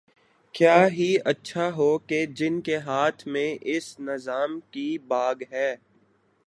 کیا ہی اچھا ہو کہ جن کے ہاتھ میں اس نظام کی باگ ہے۔